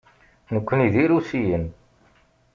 Nekkni d Irusiyen.